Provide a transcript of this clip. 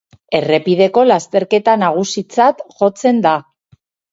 Errepideko lasterketa nagusitzat jotzen da.